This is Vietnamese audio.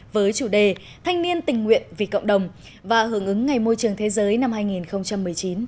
với chủ đề thanh niên tình nguyện vì cộng đồng và hưởng ứng ngày môi trường thế giới năm hai nghìn một mươi chín